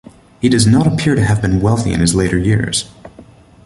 He does not appear to have been wealthy in his later years.